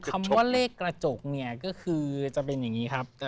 คำว่าเลขกระจกเนี่ยก็คือจะเป็นอย่างนี้ครับ